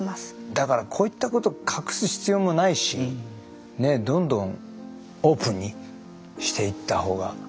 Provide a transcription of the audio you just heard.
だからこういったことを隠す必要もないしどんどんオープンにしていったほうが。